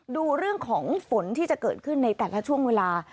ดูเรื่องของฝนที่จะเกิดขึ้นในแต่ละช่วงเวลา